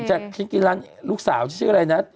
จะคิดกินร้านลูกสาวชื่ออะไรนะ